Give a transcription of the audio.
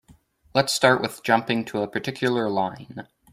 Let's start with jumping to a particular line.